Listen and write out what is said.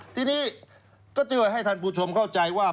ทีนี้ก็จะให้ท่านผู้ชมเข้าใจว่า